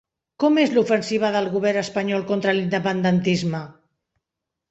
Com és l'ofensiva del govern espanyol contra l'independentisme?